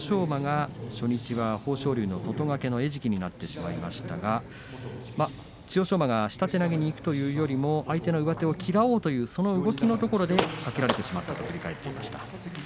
馬が初日は豊昇龍の外掛けの餌食になってしまいましたが、千代翔馬が下手投げにいくというよりも相手の上手を切ろうという動きのところでかけられてしまったと振り返っていました。